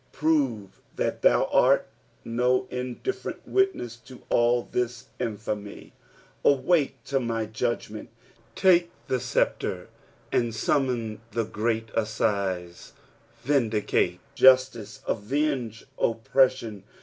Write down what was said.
Prove that thou art no in different witness to all this infamy. " Auak« to my judgment." Take the sceptre and summon the great assize ; vindicate justice, aveoge oppression.